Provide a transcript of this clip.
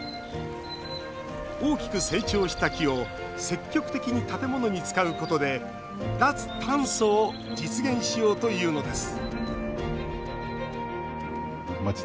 大きく成長した木を積極的に建物に使うことで脱炭素を実現しようというのです